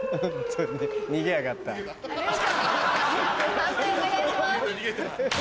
判定お願いします。